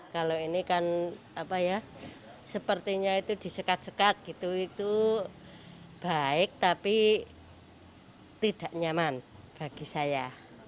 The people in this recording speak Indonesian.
kalau ini kan apa ya sepertinya itu disekat sekat gitu itu baik tapi tidak nyaman bagi saya